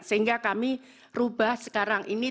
sehingga kami rubah sekarang ini